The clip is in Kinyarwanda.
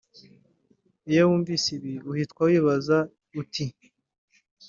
iyo wumvise ibi uhitwa wibaza uti